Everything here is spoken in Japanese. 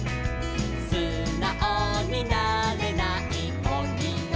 「すなおになれないオニのこだ」